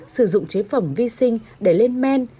sử dụng chế phẩm vi sinh để lên men